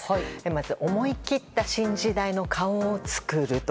まず思い切った新時代の顔を作ると。